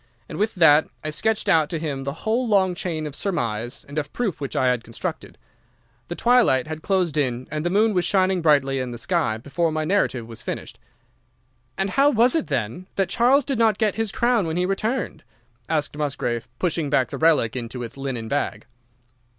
And with that I sketched out to him the whole long chain of surmise and of proof which I had constructed. The twilight had closed in and the moon was shining brightly in the sky before my narrative was finished. "'And how was it then that Charles did not get his crown when he returned?' asked Musgrave, pushing back the relic into its linen bag.